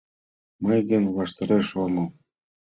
Мый гын ваштареш омыл.